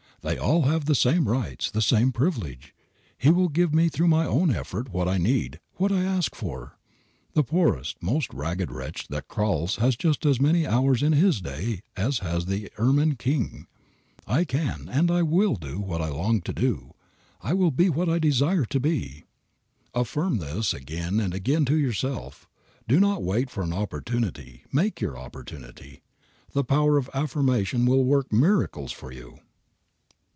They all have the same rights, the same privileges. He will give me through my own effort what I need, what I ask for. The poorest, most ragged wretch that crawls has just as many hours in his day as has the ermined king. I can and I will do what I long to do. I will be what I desire to be." Affirm this again and again to yourself. Do not wait for an opportunity, make your opportunity. The power of affirmation will work miracles for you.